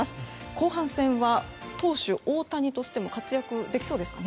後半戦は、投手・大谷としても活躍できそうですかね。